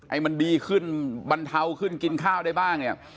มันดีขึ้นบรรเทาขึ้นกินข้าวได้บ้างเนี่ย